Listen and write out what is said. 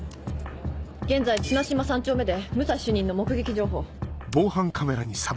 現在綱島３丁目で武蔵主任の目撃情報。